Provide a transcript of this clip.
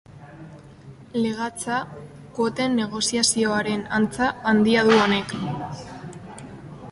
Legatza kuoten negoziazioaren antza handia du honek.